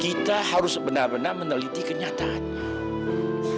kita harus benar benar meneliti kenyataan ma